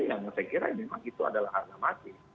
yang saya kira memang itu adalah harga mati